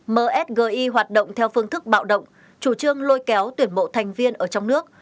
msgi hoạt động theo phương thức bạo động chủ trương lôi kéo tuyển bộ thành viên ở trong nước